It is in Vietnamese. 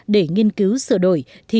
để nghiên cứu sửa đổi thì